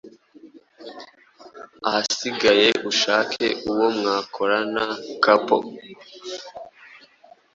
Ahasigaye ushake uwo mwakorana couple